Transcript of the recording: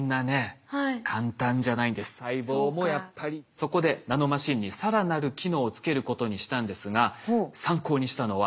そこでナノマシンに更なる機能をつけることにしたんですが参考にしたのは意外なものでした。